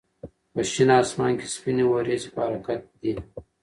په شین اسمان کې سپینې وريځې په حرکت دي.